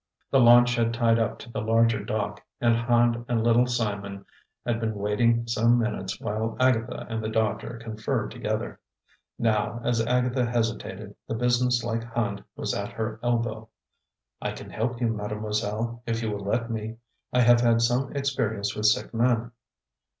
The launch had tied up to the larger dock, and Hand and Little Simon had been waiting some minutes while Agatha and the doctor conferred together. Now, as Agatha hesitated, the businesslike Hand was at her elbow. "I can help you, Mademoiselle, if you will let me. I have had some experience with sick men."